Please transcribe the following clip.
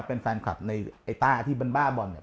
มันเป็นแฟนคลับในตร้าที่บ้านบ้าบอลเนี้ย